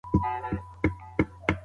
د کلتورونو توافق درلودل بي ګټي نه دي.